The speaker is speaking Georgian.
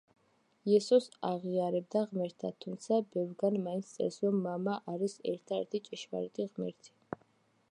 იესოს აღიარებდა ღმერთად, თუმცა ბევრგან მაინც წერს რომ მამა არის ერთადერთი ჭეშმარიტი ღმერთი.